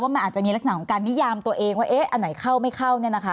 ว่ามันอาจจะมีลักษณะของการนิยามตัวเองว่าเอ๊ะอันไหนเข้าไม่เข้าเนี่ยนะคะ